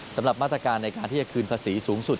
สำหรับมาตรการในการที่จะคืนภาษีสูงสุด